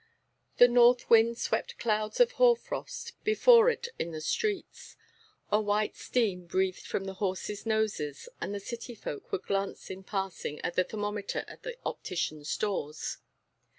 The North wind swept clouds of hoar frost before it in the streets. A white steam breathed from the horses' noses, and the city folk would glance in passing at the thermometer at the opticians' doors.